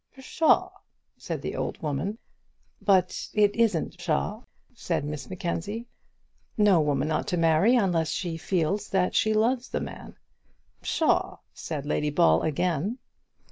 "Pshaw!" said the old woman. "But it isn't pshaw," said Miss Mackenzie. "No woman ought to marry a man unless she feels that she loves him." "Pshaw!" said Lady Ball again.